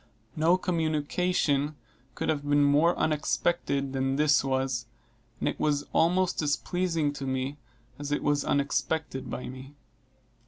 No communication could have been more unexpected than this was, and it was almost as pleasing to me as it was unexpected by me.